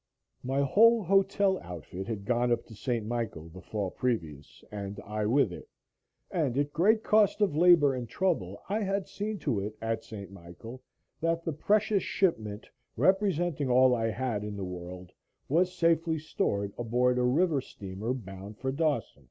My whole hotel outfit had gone up to St. Michael the fall previous and I with it and at great cost of labor and trouble I had seen to it, at St. Michael, that the precious shipment representing all I had in the world was safely stored aboard a river steamer bound for Dawson.